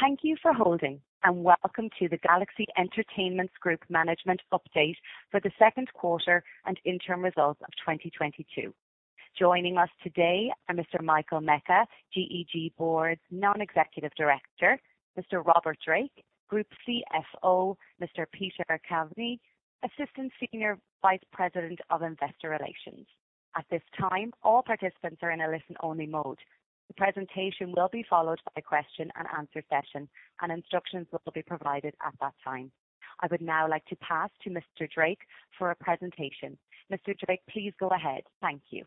Thank you for holding, and welcome to the Galaxy Entertainment Group's Management Update for the second quarter and interim results of 2022. Joining us today are Mr. Michael Mecca, GEG Board Non-Executive Director, Mr. Robert Drake, Group CFO, Mr. Peter Caveny, Assistant Senior Vice President of Investor Relations. At this time, all participants are in a listen-only mode. The presentation will be followed by a question-and-answer session, and instructions will be provided at that time. I would now like to pass to Mr. Drake for a presentation. Mr. Drake, please go ahead. Thank you.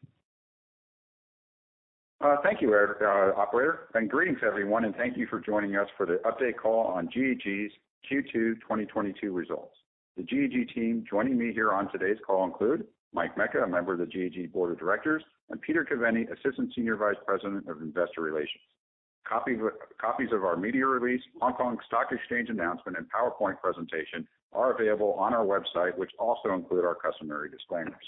Thank you, operator, and greetings, everyone, and thank you for joining us for the update call on GEG's Q2 2022 results. The GEG team joining me here on today's call include Mike Mecca, a member of the GEG Board of Directors, and Peter Caveny, Assistant Senior Vice President of Investor Relations. Copies of our media release, Hong Kong Stock Exchange announcement, and PowerPoint presentation are available on our website, which also include our customary disclaimers.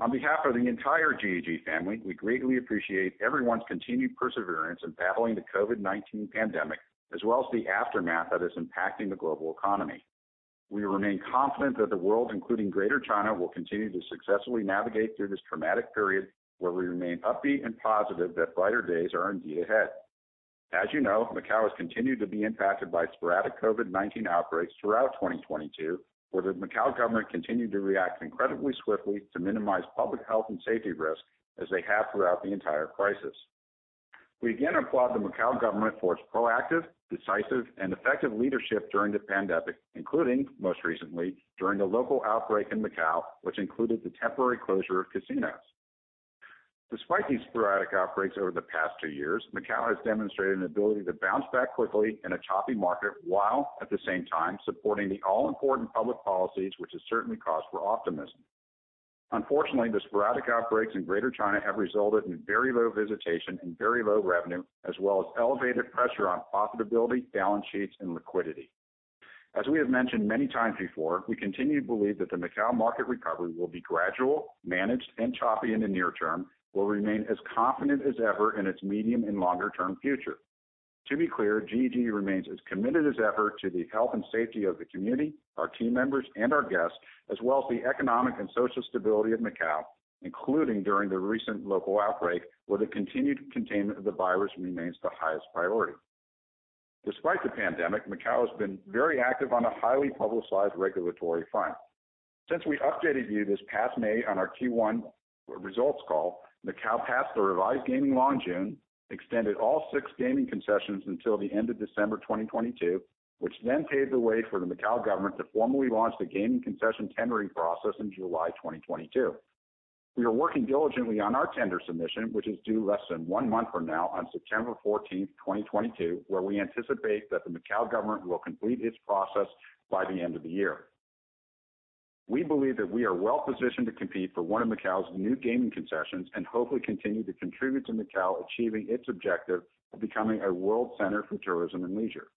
On behalf of the entire GEG family, we greatly appreciate everyone's continued perseverance in battling the COVID-19 pandemic, as well as the aftermath that is impacting the global economy. We remain confident that the world, including Greater China, will continue to successfully navigate through this traumatic period, where we remain upbeat and positive that brighter days are indeed ahead. As you know, Macau has continued to be impacted by sporadic COVID-19 outbreaks throughout 2022, where the Macau government continued to react incredibly swiftly to minimize public health and safety risks, as they have throughout the entire crisis. We again applaud the Macau government for its proactive, decisive, and effective leadership during the pandemic, including, most recently, during the local outbreak in Macau, which included the temporary closure of casinos. Despite these sporadic outbreaks over the past two years, Macau has demonstrated an ability to bounce back quickly in a choppy market while, at the same time, supporting the all-important public policies, which is certainly cause for optimism. Unfortunately, the sporadic outbreaks in Greater China have resulted in very low visitation and very low revenue, as well as elevated pressure on profitability, balance sheets, and liquidity. As we have mentioned many times before, we continue to believe that the Macau market recovery will be gradual, managed, and choppy in the near term. We'll remain as confident as ever in its medium and longer-term future. To be clear, GEG remains as committed as ever to the health and safety of the community, our team members, and our guests, as well as the economic and social stability of Macau, including during the recent local outbreak, where the continued containment of the virus remains the highest priority. Despite the pandemic, Macau has been very active on a highly publicized regulatory front. Since we updated you this past May on our Q1 results call, Macau passed the revised gaming law in June, extended all six gaming concessions until the end of December 2022, which then paved the way for the Macau government to formally launch the gaming concession tendering process in July 2022. We are working diligently on our tender submission, which is due less than one month from now on September 14, 2022, where we anticipate that the Macau government will complete its process by the end of the year. We believe that we are well-positioned to compete for one of Macau's new gaming concessions and hopefully continue to contribute to Macau achieving its objective of becoming a world center for tourism and leisure.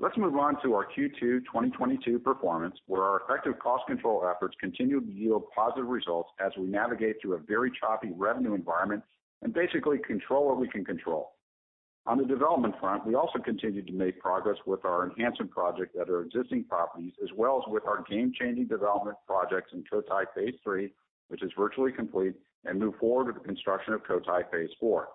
Let's move on to our Q2 2022 performance, where our effective cost control efforts continued to yield positive results as we navigate through a very choppy revenue environment and basically control what we can control. On the development front, we also continued to make progress with our enhancement project at our existing properties, as well as with our game-changing development projects in Cotai Phase 3, which is virtually complete, and move forward with the construction of Cotai Phase 4.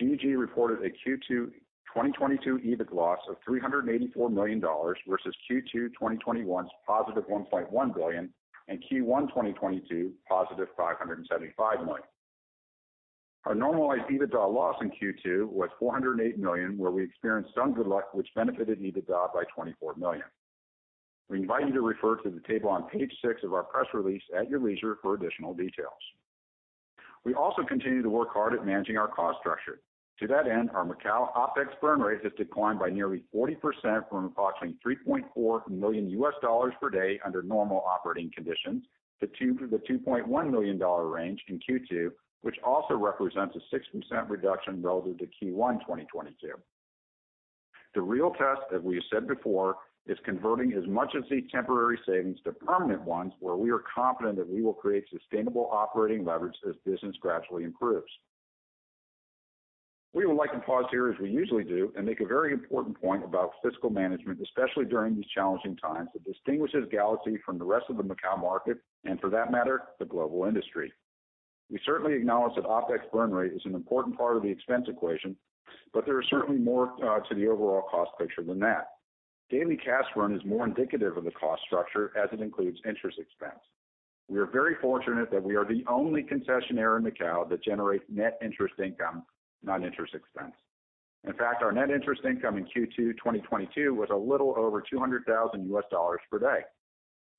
GEG reported a Q2 2022 EBIT loss of $384 million versus Q2 2021's positive $1.1 billion and Q1 2022 positive $575 million. Our normalized EBITDA loss in Q2 was $408 million, where we experienced some good luck, which benefited EBITDA by $24 million. We invite you to refer to the table on page six of our press release at your leisure for additional details. We also continue to work hard at managing our cost structure. To that end, our Macau OpEx burn rate has declined by nearly 40% from approximately $3.4 million per day under normal operating conditions to the $2.1 million range in Q2, which also represents a 6% reduction relative to Q1 2022. The real test, as we have said before, is converting as much of these temporary savings to permanent ones, where we are confident that we will create sustainable operating leverage as business gradually improves. We would like to pause here as we usually do and make a very important point about fiscal management, especially during these challenging times, that distinguishes Galaxy from the rest of the Macau market and for that matter, the global industry. We certainly acknowledge that OpEx burn rate is an important part of the expense equation, but there is certainly more to the overall cost picture than that. Daily cash burn is more indicative of the cost structure as it includes interest expense. We are very fortunate that we are the only concessionaire in Macau that generates net interest income, not interest expense. In fact, our net interest income in Q2 2022 was a little over $200,000 per day.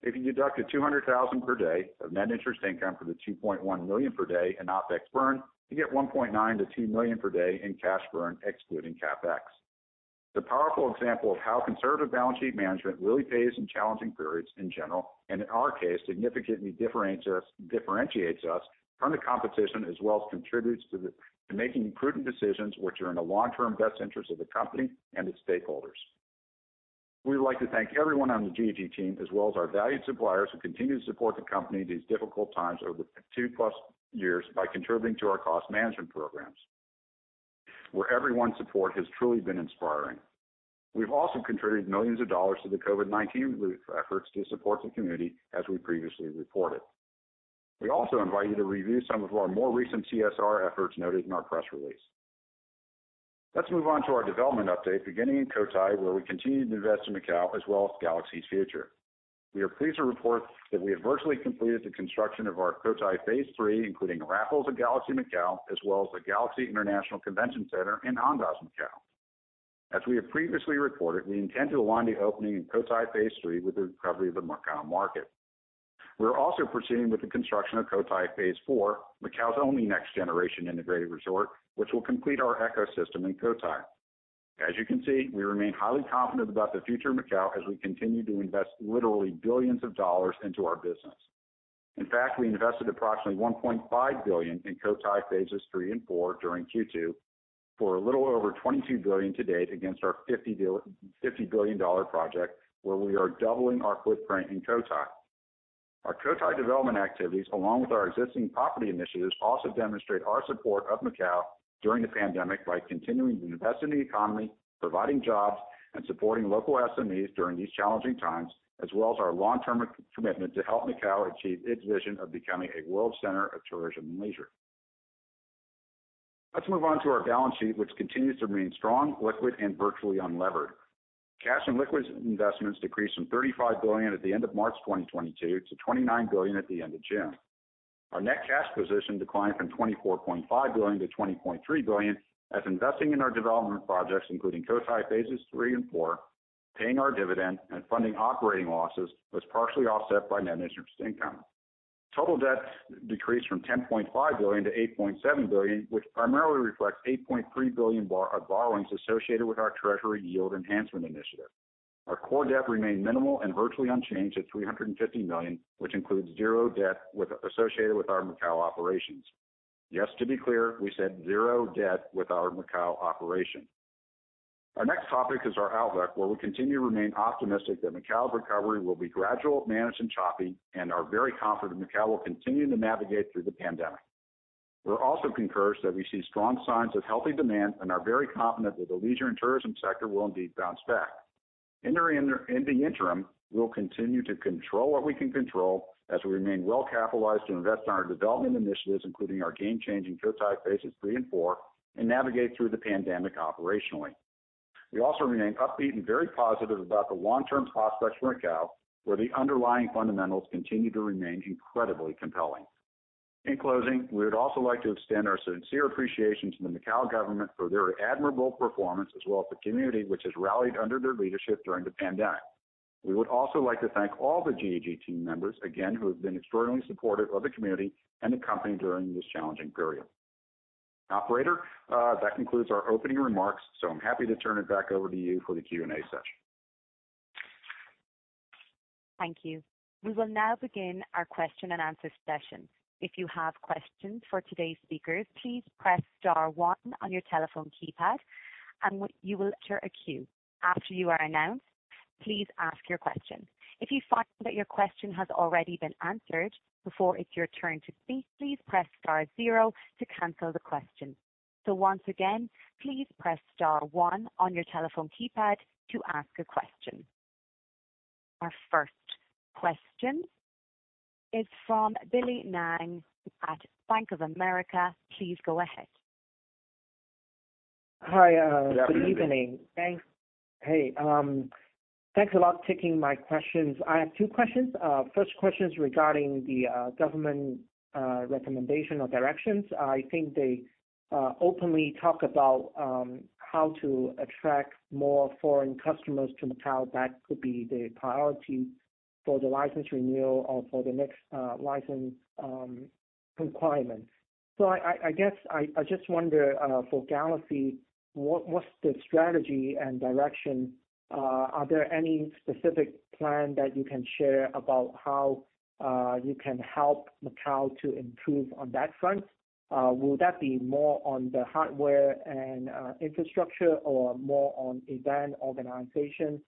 If you deduct the $200,000 per day of net interest income from the $2.1 million per day in OpEx burn, you get $1.9 million-$2 million per day in cash burn, excluding CapEx. It's a powerful example of how conservative balance sheet management really pays in challenging periods in general, and in our case, significantly differentiates us from the competition as well as contributes to making prudent decisions which are in the long-term best interests of the company and its stakeholders. We would like to thank everyone on the GEG team as well as our valued suppliers who continue to support the company these difficult times over the 2+ years by contributing to our cost management programs, where everyone's support has truly been inspiring. We've also contributed millions of dollars to the COVID-19 relief efforts to support the community as we previously reported. We also invite you to review some of our more recent CSR efforts noted in our press release. Let's move on to our development update, beginning in Cotai, where we continue to invest in Macau as well as Galaxy's future. We are pleased to report that we have virtually completed the construction of our Cotai Phase 3, including Raffles at Galaxy Macau, as well as the Galaxy International Convention Center and Andaz Macau. As we have previously reported, we intend to align the opening in Cotai Phase 3 with the recovery of the Macau market. We're also proceeding with the construction of Cotai Phase 4, Macau's only next generation integrated resort, which will complete our ecosystem in Cotai. As you can see, we remain highly confident about the future of Macau as we continue to invest literally billions of dollars into our business. In fact, we invested approximately $1.5 billion in Cotai Phases 3 and 4 during Q2 for a little over $22 billion to date against our $50 billion project where we are doubling our footprint in Cotai. Our Cotai development activities, along with our existing property initiatives, also demonstrate our support of Macau during the pandemic by continuing to invest in the economy, providing jobs and supporting local SMEs during these challenging times, as well as our long-term commitment to help Macau achieve its vision of becoming a world center of tourism and leisure. Let's move on to our balance sheet, which continues to remain strong, liquid and virtually unlevered. Cash and liquid investments decreased from $35 billion at the end of March 2022 to $29 billion at the end of June. Our net cash position declined from $24.5 billion to $20.3 billion as investing in our development projects, including Cotai Phase 3 and Phase 4, paying our dividend and funding operating losses was partially offset by net interest income. Total debt decreased from $10.5 billion to $8.7 billion, which primarily reflects $8.3 billion borrowings associated with our treasury yield enhancement initiative. Our core debt remained minimal and virtually unchanged at $350 million, which includes zero debt associated with our Macau operations. Yes, to be clear, we said zero debt with our Macau operation. Our next topic is our outlook, where we continue to remain optimistic that Macau's recovery will be gradual, managed and choppy, and are very confident Macau will continue to navigate through the pandemic. We're also encouraged that we see strong signs of healthy demand and are very confident that the leisure and tourism sector will indeed bounce back. In the interim, we'll continue to control what we can control as we remain well capitalized to invest in our development initiatives, including our game-changing Cotai Phase 3 and 4, and navigate through the pandemic operationally. We also remain upbeat and very positive about the long-term prospects for Macau, where the underlying fundamentals continue to remain incredibly compelling. In closing, we would also like to extend our sincere appreciation to the Macau government for their admirable performance as well as the community which has rallied under their leadership during the pandemic. We would also like to thank all the GEG team members again who have been extraordinarily supportive of the community and the company during this challenging period. Operator, that concludes our opening remarks, so I'm happy to turn it back over to you for the Q&A session. Thank you. We will now begin our question-and-answer session. If you have questions for today's speakers, please press star one on your telephone keypad, you will enter a queue. After you are announced, please ask your question. If you find that your question has already been answered before it's your turn to speak, please press star zero to cancel the question. Once again, please press star one on your telephone keypad to ask a question. Our first question is from Billy Ng at Bank of America. Please go ahead. Hi. Good afternoon, Billy. Good evening. Thanks. Hey, thanks a lot taking my questions. I have two questions. First question is regarding the government recommendation or directions. I think they openly talk about how to attract more foreign customers to Macau. That could be the priority for the license renewal or for the next license requirement. I guess I just wonder for Galaxy, what's the strategy and direction? Are there any specific plan that you can share about how you can help Macau to improve on that front? Will that be more on the hardware and infrastructure or more on event organization?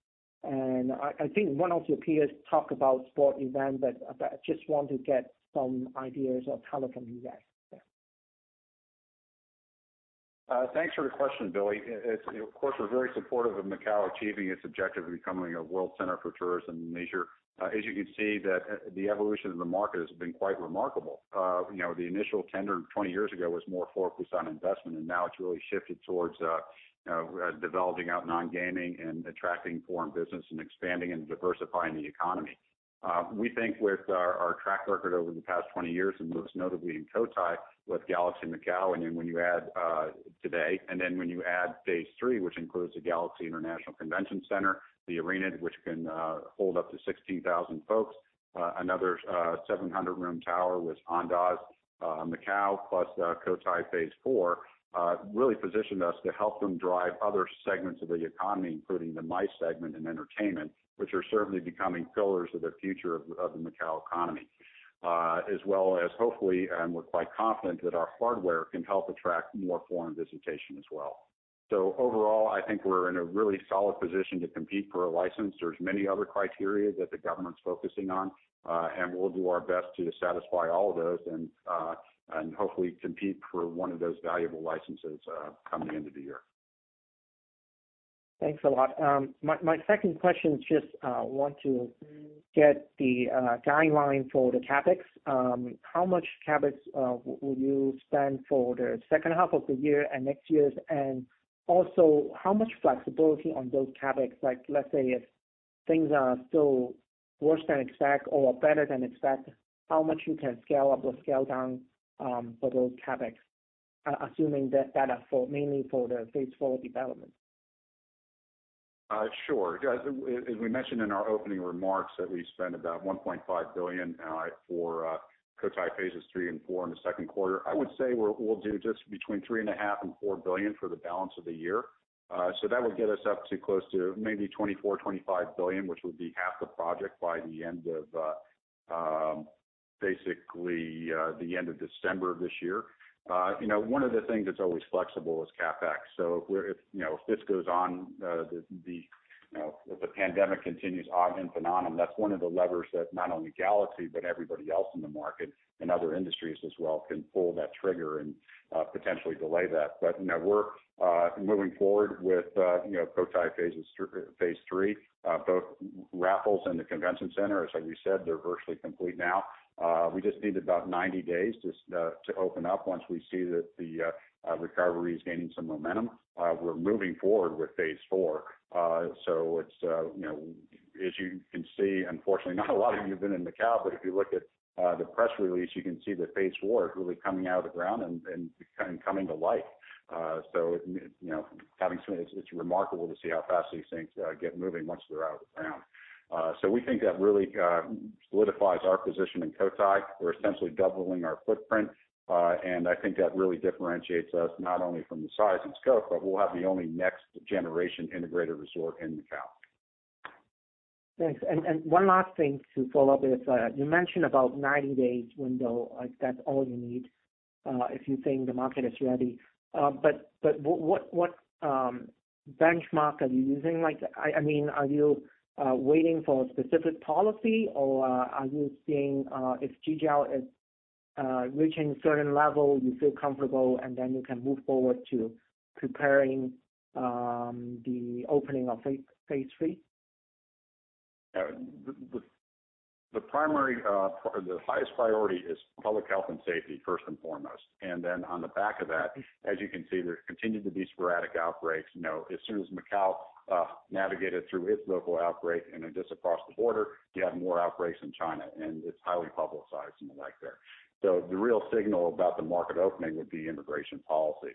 I think one of your peers talk about sport event, but I just want to get some ideas of how it can be done. Thanks for the question, Billy. Of course, we're very supportive of Macau achieving its objective of becoming a world center for tourism and leisure. As you can see that, the evolution of the market has been quite remarkable. You know, the initial tender 20 years ago was more focused on investment, and now it's really shifted towards, you know, developing out non-gaming and attracting foreign business and expanding and diversifying the economy. We think with our track record over the past 20 years and most notably in Cotai with Galaxy Macau, and then when you add today, and then when you add Cotai Phase 3, which includes the Galaxy International Convention Center, the arena which can hold up to 16,000 folks, another 700-room tower with Andaz Macau, plus Cotai Phase 4, really positioned us to help them drive other segments of the economy, including the MICE segment and entertainment, which are certainly becoming pillars of the future of the Macau economy. As well as hopefully, and we're quite confident, that our hardware can help attract more foreign visitation as well. Overall, I think we're in a really solid position to compete for a license. There's many other criteria that the government's focusing on, and we'll do our best to satisfy all of those and hopefully compete for one of those valuable licenses, come the end of the year. Thanks a lot. My second question is just want to get the guideline for the CapEx. How much CapEx will you spend for the second half of the year and next year? Also how much flexibility on those CapEx, like let's say if things are still worse than expect or better than expect, how much you can scale up or scale down for those CapEx, assuming that are for mainly for the Phase 4 development. Sure. As we mentioned in our opening remarks that we spent about $1.5 billion for Cotai Phase 3 and Cotai Phase 4 in the second quarter. I would say we'll do just between $3.5 billion and $4 billion for the balance of the year. So that will get us up to close to maybe $24 billion, $25 billion, which would be half the project by the end of basically the end of December this year. You know, one of the things that's always flexible is CapEx. If you know, if this goes on, you know, if the pandemic continues ad infinitum, that's one of the levers that not only Galaxy but everybody else in the market and other industries as well can pull that trigger and potentially delay that. We're moving forward with you know, Cotai Phase 3, both Raffles and the convention center. As, like, we said, they're virtually complete now. We just need about 90 days to open up once we see that the recovery is gaining some momentum. We're moving forward with Phase 4. It's you know as you can see, unfortunately, not a lot of you have been in Macau, but if you look at the press release, you can see that Phase 4 is really coming out of the ground and kind of coming to life. You know, it's remarkable to see how fast these things get moving once they're out of the ground. We think that really solidifies our position in Cotai. We're essentially doubling our footprint. I think that really differentiates us not only from the size and scope, but we'll have the only next generation integrated resort in Macau. Thanks. One last thing to follow up with. You mentioned about 90 days window, like that's all you need, if you think the market is ready. What benchmark are you using? Like, I mean, are you waiting for a specific policy or are you seeing if GGR is reaching a certain level, you feel comfortable, and then you can move forward to preparing the opening of Phase 3? The primary or the highest priority is public health and safety first and foremost. On the back of that, as you can see, there's continued to be sporadic outbreaks. You know, as soon as Macau navigated through its local outbreak and once it's across the border, you have more outbreaks in China, and it's highly publicized and the like there. The real signal about the market opening would be immigration policy.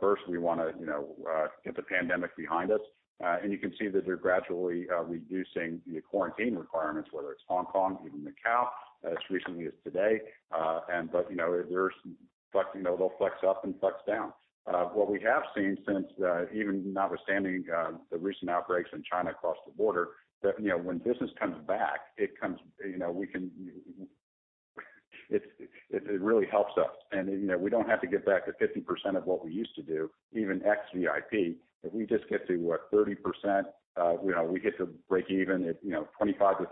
First we wanna, you know, get the pandemic behind us. You can see that they're gradually reducing the quarantine requirements, whether it's Hong Kong, even Macau, as recently as today. You know, there's some flex, you know, they'll flex up and flex down. What we have seen since, even notwithstanding, the recent outbreaks in China across the border, that you know when business comes back, it comes, you know. It really helps us. You know, we don't have to get back to 50% of what we used to do, even ex VIP. If we just get to, what, 30%, you know, we get to break even at, you know, 25%-30%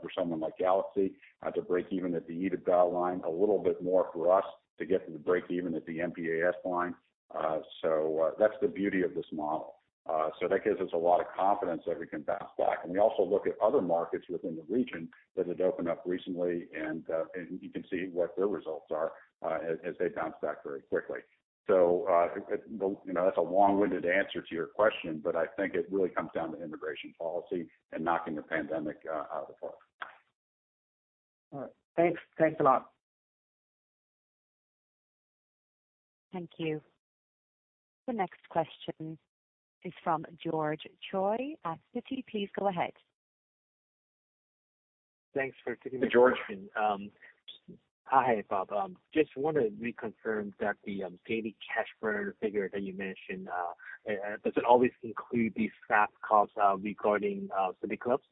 for someone like Galaxy, to break even at the EBITDA line a little bit more for us to get to the break even at the NPAT line. That's the beauty of this model. That gives us a lot of confidence that we can bounce back. We also look at other markets within the region that had opened up recently and you can see what their results are, as they bounce back very quickly. You know, that's a long-winded answer to your question, but I think it really comes down to immigration policy and knocking the pandemic out of the park. All right. Thanks. Thanks a lot. Thank you. The next question is from George Choi at Citi. Please go ahead. Thanks for taking my question. George. Hi, Bob. Just wanted to reconfirm that the daily cash burn figure that you mentioned, does it always include these staff cuts regarding City Clubs?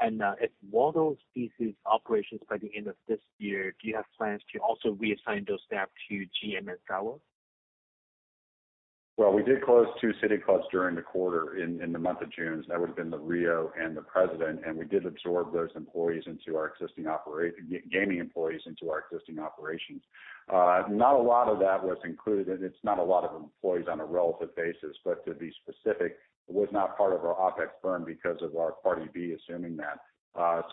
If Waldo ceases operations by the end of this year, do you have plans to also reassign those staff to GM and StarWorld? Well, we did close two City Clubs during the quarter in the month of June. That would have been the Rio and the President, and we did absorb those employees into our existing gaming operations. Not a lot of that was included, and it's not a lot of employees on a relative basis. To be specific, it was not part of our OpEx burn because of our Party B assuming that.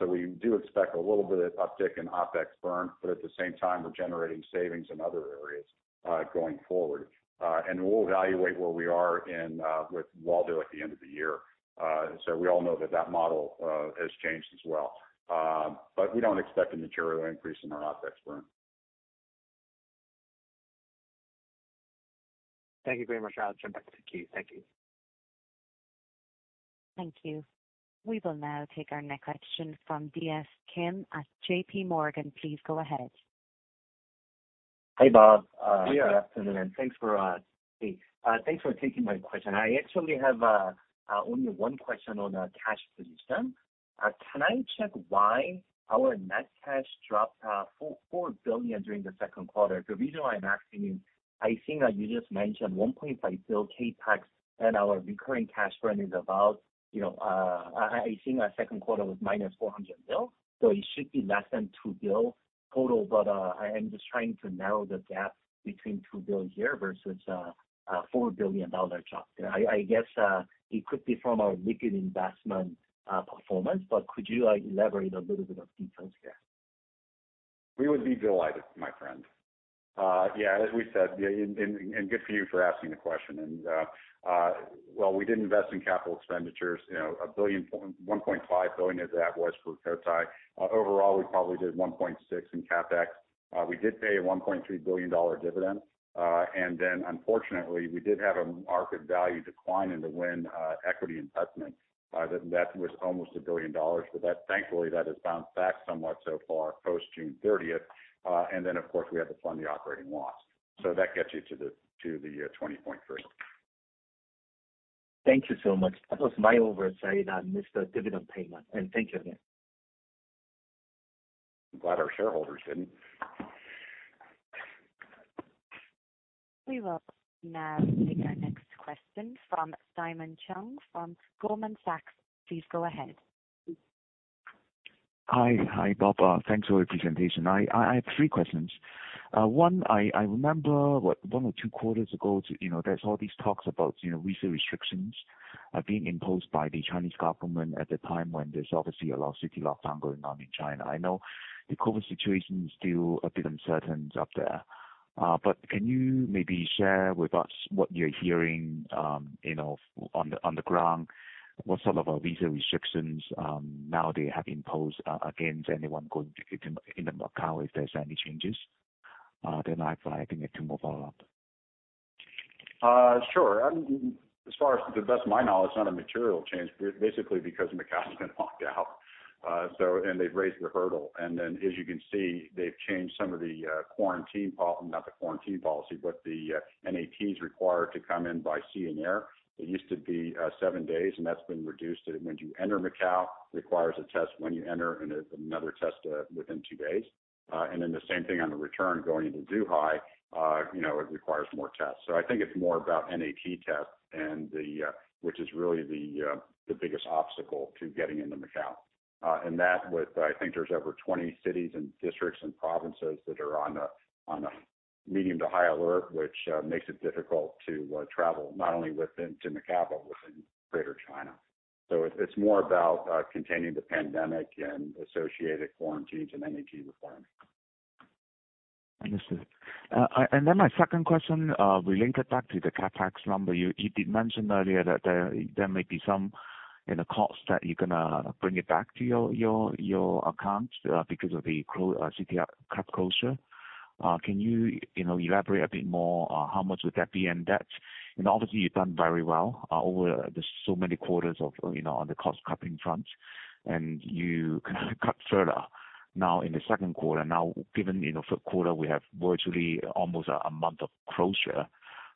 We do expect a little bit of uptick in OpEx burn, but at the same time, we're generating savings in other areas going forward. We'll evaluate where we are with Waldo at the end of the year. We all know that that model has changed as well. We don't expect a material increase in our OpEx burn. Thank you very much. I'll turn back to queue. Thank you. Thank you. We will now take our next question from DS Kim at JPMorgan. Please go ahead. Hey, Bob. Yeah. Good afternoon, and thanks for taking my question. I actually have only one question on cash position. Can I check why our net cash dropped $4 billion during the second quarter? The reason why I'm asking you, I think that you just mentioned $1.5 billion CapEx, and our recurring cash burn is about, I think our second quarter was -$400 million, so it should be less than $2 billion total. I'm just trying to narrow the gap between $2 billion here versus a $4 billion dollar drop there. I guess it could be from our liquid investment performance, but could you like elaborate a little bit of details here? We would be delighted, my friend. Yeah, as we said, yeah, and good for you for asking the question. We did invest in capital expenditures, you know, $1.5 billion at the Cotai Phase 3 for Cotai. Overall, we probably did $1.6 billion in CapEx. We did pay a $1.3 billion dividend. Then unfortunately, we did have a market value decline in the Wynn equity investment. That was almost $1 billion. That, thankfully, has bounced back somewhat so far post-June 30th. Then of course, we had to fund the operating loss. That gets you to the $20.3 billion. Thank you so much. That was my oversight. I missed the dividend payment. Thank you again. I'm glad our shareholders didn't. We will now take our next question from Simon Cheung from Goldman Sachs. Please go ahead. Hi. Hi, Bob. Thanks for your presentation. I have three questions. One, I remember one or two quarters ago, you know, there's all these talks about, you know, visa restrictions being imposed by the Chinese government at the time when there's obviously a lot of city lockdown going on in China. I know the COVID situation is still a bit uncertain up there. But can you maybe share with us what you're hearing, you know, on the ground? What sort of visa restrictions now they have imposed against anyone going to Macau, if there's any changes? Then I think I have two more follow up. Sure. To the best of my knowledge, it's not a material change basically because Macau's been locked out. They've raised the hurdle. As you can see, they've changed some of the not the quarantine policy, but the NAT is required to come in by sea and air. It used to be seven days, and that's been reduced to when you enter Macau. It requires a test when you enter, and another test within two days. The same thing on the return going into Zhuhai, you know, it requires more tests. I think it's more about NAT tests and the which is really the biggest obstacle to getting into Macau. I think there's over 20 cities and districts and provinces that are on a medium to high alert, which makes it difficult to travel not only to Macau, but within Greater China. It's more about containing the pandemic and associated quarantines and NAT requirements. Understood. Then my second question, we link it back to the CapEx number. You did mention earlier that there may be some of the costs that you're gonna bring it back to your accounts because of the City Club closure. Can you know, elaborate a bit more, how much would that be? Obviously, you've done very well over so many quarters of, you know, on the cost-cutting front, and you cut further now in the second quarter. Given, you know, third quarter, we have virtually almost a month of closure,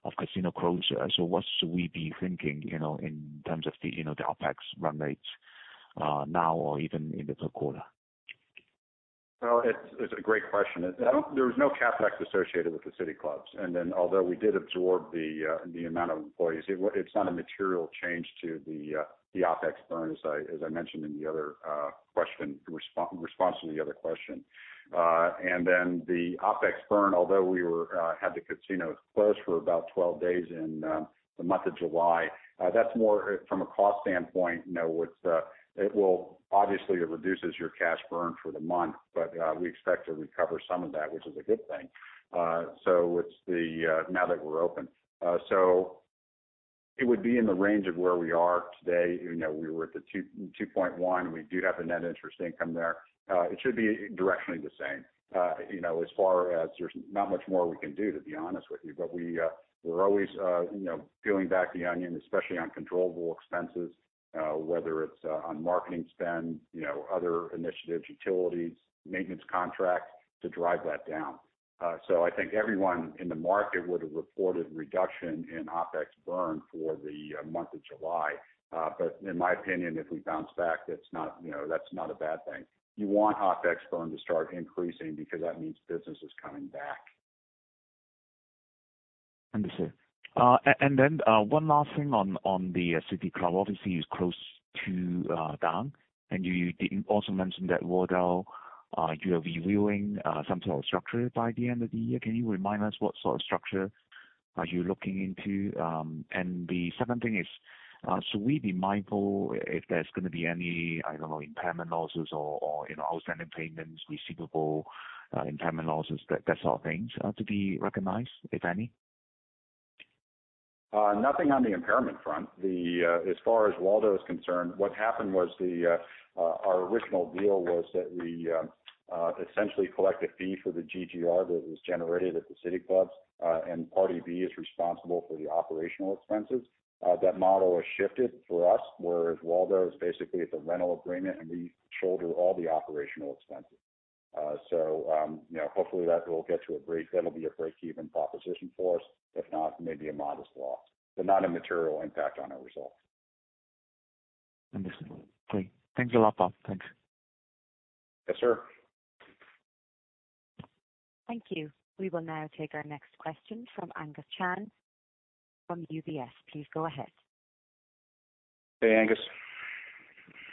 of casino closure. What should we be thinking, you know, in terms of the, you know, the OpEx run rates, now or even in the third quarter? Well, it's a great question. There was no CapEx associated with the City Clubs. Although we did absorb the amount of employees, it's not a material change to the OpEx burn, as I mentioned in response to the other question. The OpEx burn, although we had the casinos closed for about 12 days in the month of July, that's more from a cost standpoint, you know, it's obviously it reduces your cash burn for the month, but we expect to recover some of that, which is a good thing. It's now that we're open. It would be in the range of where we are today. You know, we were at $2.1 million. We do have a net interest income there. It should be directionally the same. You know, as far as there's not much more we can do, to be honest with you. We're always, you know, peeling back the onion, especially on controllable expenses, whether it's on marketing spend, you know, other initiatives, utilities, maintenance contracts to drive that down. I think everyone in the market would have reported reduction in OpEx burn for the month of July. In my opinion, if we bounce back, that's not, you know, that's not a bad thing. You want OpEx burn to start increasing because that means business is coming back. Understood. One last thing on the City Clubs. Obviously, it's close to done, and you also mentioned that Waldo Casino you are reviewing some sort of structure by the end of the year. Can you remind us what sort of structure are you looking into? The second thing is, should we be mindful if there's gonna be any, I don't know, impairment losses or you know, outstanding payments receivable, impairment losses, that sort of things to be recognized, if any? Nothing on the impairment front. As far as Waldo is concerned, what happened was our original deal was that we essentially collect a fee for the GGR that was generated at the City Clubs, and Party B is responsible for the operational expenses. That model has shifted for us, whereas Waldo is basically a rental agreement, and we shoulder all the operational expenses. You know, hopefully that will get to a breakeven proposition for us. If not, maybe a modest loss, but not a material impact on our results. Understand. Great. Thanks a lot, Bob. Thanks. Yes, sir. Thank you. We will now take our next question from Angus Chan from UBS. Please go ahead. Hey, Angus.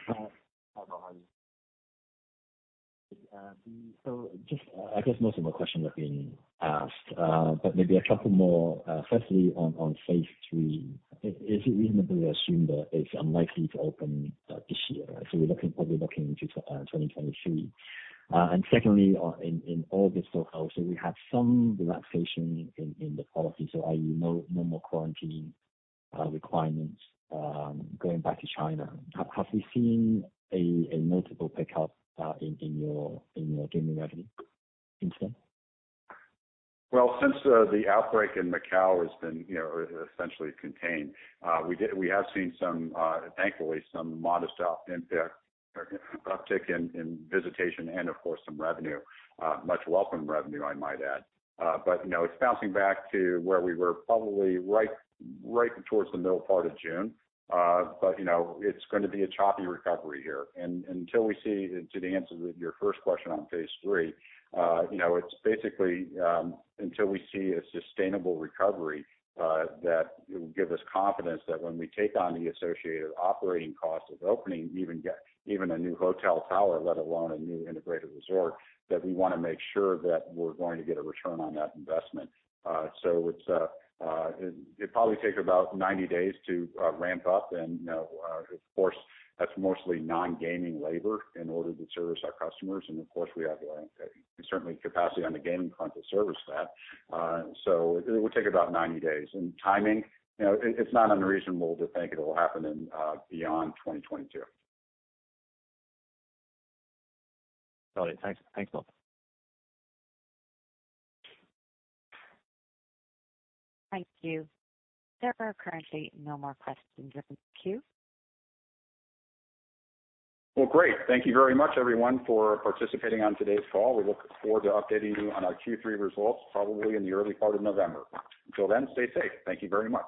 Hi. Hi, Bob. How are you? I guess most of my questions have been asked, but maybe a couple more. Firstly, on Phase 3, is it reasonable to assume that it's unlikely to open this year? We're probably looking into 2023. Secondly, in all this, we have some relaxation in the policy. Is there no more quarantine requirements going back to China? Have we seen a notable pickup in your gaming revenue in China? Well, since the outbreak in Macau has been, you know, essentially contained, we have seen some, thankfully, some modest uptick in visitation and of course some revenue, much welcomed revenue, I might add. But you know, it's bouncing back to where we were probably right towards the middle part of June. But you know, it's gonna be a choppy recovery here. To answer your first question on Phase 3, you know, it's basically until we see a sustainable recovery that will give us confidence that when we take on the associated operating costs of opening even a new hotel tower, let alone a new integrated resort, that we wanna make sure that we're going to get a return on that investment. It'd probably take about 90 days to ramp up. You know, of course, that's mostly non-gaming labor in order to service our customers. Of course, we have certainly capacity on the gaming front to service that. It will take about 90 days. Timing, you know, it's not unreasonable to think it'll happen in beyond 2022. Got it. Thanks. Thanks, Bob. Thank you. There are currently no more questions in the queue. Well, great. Thank you very much everyone for participating on today's call. We look forward to updating you on our Q3 results, probably in the early part of November. Until then, stay safe. Thank you very much.